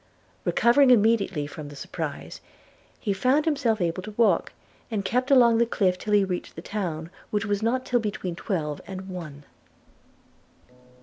Recovering immediately from the surprize, he found himself able to walk; and kept along the cliff till he reached the town, which was not till between twelve and one.